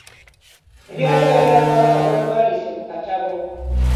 Ebyafaayo bya Kabaka babiwandiise mu katabo.